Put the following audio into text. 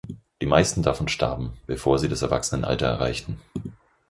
Die meisten davon starben, bevor sie das Erwachsenenalter erreichten.